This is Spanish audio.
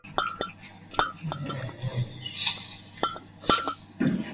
Esto generalmente era muy complejo para las empresas y sus clientes.